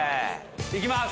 いきます！